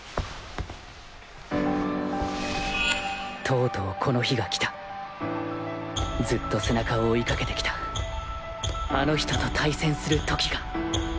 とうとうこの日が来たずっと背中を追いかけてきたあの人と対戦する時が